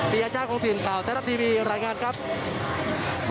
ปริญญาชาติโครงสินเก่าแซลับทีวีรายงานครับ